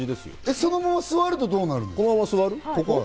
このまま座ると、どうなるの？